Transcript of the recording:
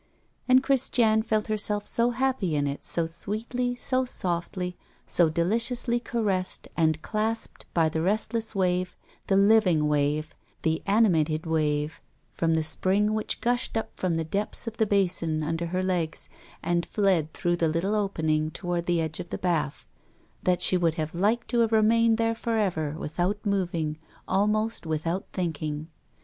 And Christiane felt herself so happy in it, so sweetly, so softly, so deliciously caressed and clasped by the restless wave, the living wave, the animated wave from the spring which gushed up from the depths of the basin under her legs and fled through the little opening toward the edge of the bath, that she would have liked to have remained there forever, without moving, almost without thinking.